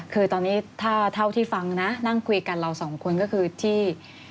คือตอนนี้ถ้าเท่าที่ฟังนะนั่งคุยกันเราสองคนก็คือที่